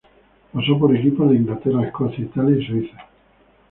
Pasó por equipos de Inglaterra, Escocia, Italia y Suiza.